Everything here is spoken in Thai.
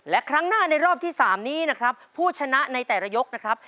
และครั้งหน้าในรอบที่๓นี้นะครับผู้ชนะในแต่ละยกนะครับ